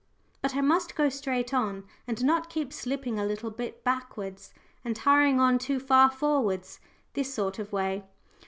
But I must go straight on, and not keep slipping a little bit backwards, and hurrying on too far forwards, this sort of way.